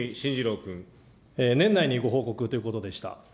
年内にご報告ということでした。